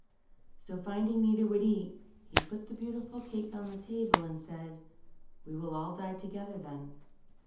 So, finding neither would eat, he put the beautiful cake on the table, and said, We will all die together thep.."